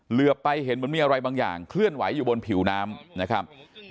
เหลือไปเห็นเหมือนมีอะไรบางอย่างเคลื่อนไหวอยู่บนผิวน้ำนะครับ